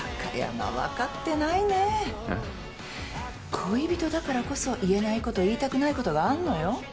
恋人だからこそ言えないこと言いたくないことがあんのよ。